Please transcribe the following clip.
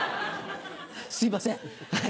すいません。